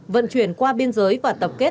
vận chuyển qua biên giới và tập kết